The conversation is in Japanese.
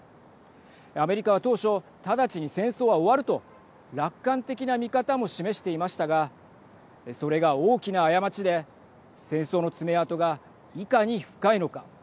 アメリカは当初直ちに戦争は終わると楽観的な見方も示していましたがそれが大きな過ちで戦争の爪痕がいかに深いのか。